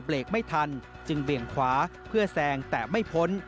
กไม่ทันจึงเบี่ยงขวาเพื่อแซงแต่ไม่พ้น